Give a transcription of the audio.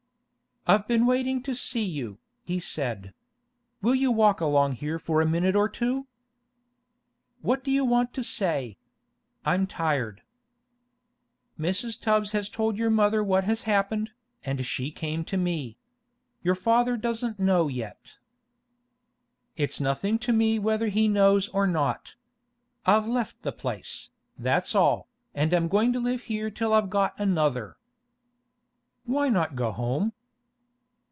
'I've been waiting to see you,' he said. 'Will you walk along here for a minute or two?' 'What do you want to say? I'm tired.' 'Mrs. Tubbs has told your mother what has happened, and she came to me. Your father doesn't know yet.' 'It's nothing to me whether he knows or not. I've left the place, that's all, and I'm going to live here till I've got another.' 'Why not go home?